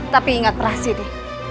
tapi ingat rahasianya